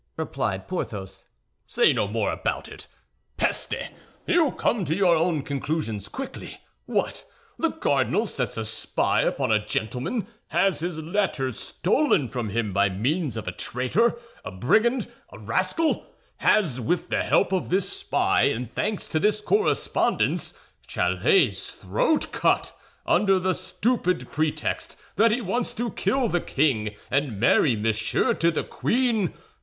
replied Porthos. "Say no more about it! Peste! You come to your conclusions quickly. What! The cardinal sets a spy upon a gentleman, has his letters stolen from him by means of a traitor, a brigand, a rascal—has, with the help of this spy and thanks to this correspondence, Chalais's throat cut, under the stupid pretext that he wanted to kill the king and marry Monsieur to the queen!